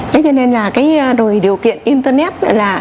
thế cho nên là cái điều kiện internet